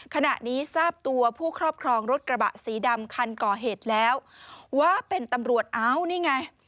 ขณะนี้ทราบตัวผู้ครอบครองรถกระบะสีดำคันก่อเหตุแล้วว่าเป็นตำรวจอ้าวนี่ไง